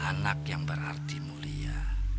anak yang berarti mulia